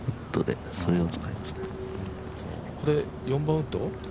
これ４番ウッド？